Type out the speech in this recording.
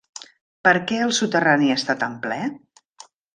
Per què el soterrani està tan ple?